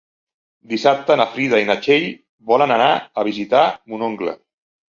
Dissabte na Frida i na Txell volen anar a visitar mon oncle.